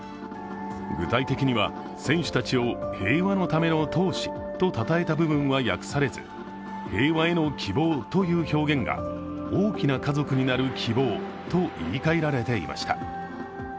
具体的には、選手たちを平和のための闘士とたたえた部分は訳されず平和への希望という表現が大きな家族になる希望と言いかえられていました。